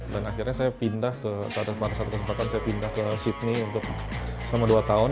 dan akhirnya saya pindah ke tak ada salah satu kesempatan saya pindah ke sydney untuk selama dua tahun